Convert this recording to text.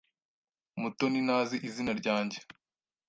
Mutoni ntazi izina ryanjye.